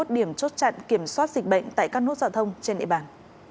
ba mươi một điểm chốt chặn kiểm soát dịch bệnh tại các nốt giao thông trên địa bàn